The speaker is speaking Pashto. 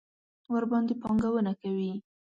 ورباندې پانګونه کوي.